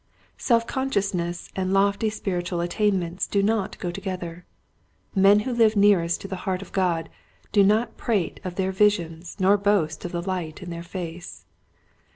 Self conscious ness and lofty spiritual attainments do not go together. Men who live nearest to the heart of God do not prate of their visions nor boast of the light in their face.